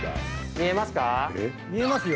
見えますよ。